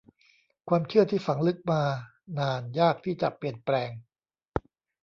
ความเชื่อที่ฝังลึกมานานยากที่จะเปลี่ยนแปลง